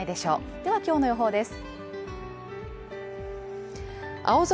では今日の予報です。